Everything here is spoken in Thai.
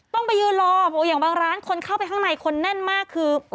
ต้องไปยืนรออย่างบางร้านคนเข้าไปข้างในคนแน่นมากคือ